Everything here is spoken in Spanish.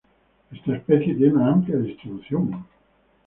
Esta especie tiene una amplia distribución.